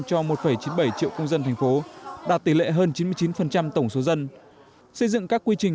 cho một chín mươi bảy triệu công dân thành phố đạt tỷ lệ hơn chín mươi chín tổng số dân xây dựng các quy trình